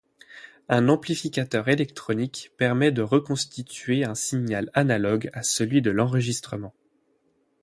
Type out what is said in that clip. Un amplificateur électronique permet de reconstituer un signal analogue à celui de l'enregistrement.